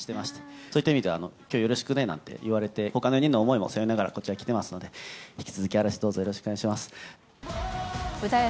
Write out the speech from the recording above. そういった意味では、きょうよろしくねなんて言われて、ほかの４人の思いも背負いながら、こちらに来ておりますので、引き続きどうぞ、嵐